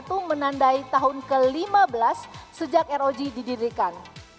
tahun ini dua ribu dua puluh satu menandai tahun ke lima belas sejak rog didirikan